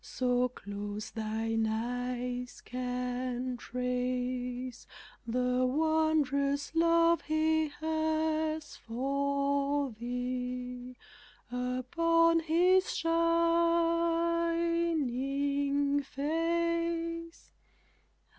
So close thine eyes can trace The wondrous love He has for thee, Upon His shining face.